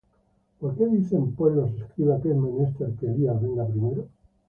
¿Por qué dicen pues los escribas que es menester que Elías venga primero?